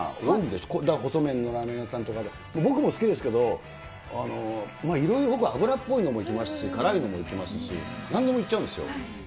この細麺のラーメン屋さんで、僕も好きですけれども、いろいろ僕は脂っぽいのも行きますし、辛いのも行きますし、なんでも行っちゃうんですよ。